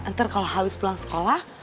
nanti kalau habis pulang sekolah